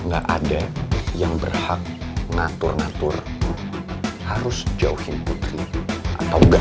gak ada yang berhak ngatur ngatur harus jauhin putri atau enggak